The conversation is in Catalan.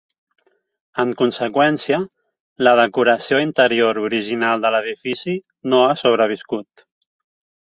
En conseqüència, la decoració interior original de l'edifici no ha sobreviscut.